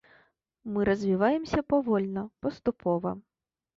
Мы развіваемся павольна, паступова.